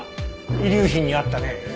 遺留品にあったね。